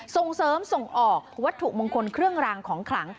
ส่งเสริมส่งออกวัตถุมงคลเครื่องรางของขลัง